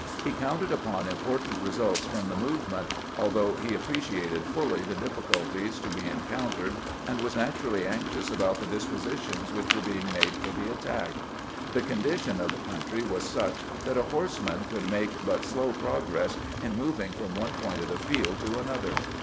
He counted upon important results from the movement, although he ap preciated fully the difficulties to be encountered, and was naturally anxious about the dispositions which were being made for the attack. The condition of the coun try was such that a horseman could make but slow pro gress in moving from one point of the field to another.